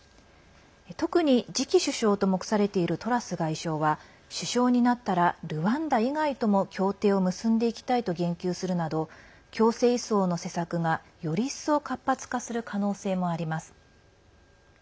特に次期首相と目されているトラス外相は首相になったらルワンダ以外とも協定を結んでいきたいと言及するなど強制移送の施策が、より一層活発化する可能性もあります。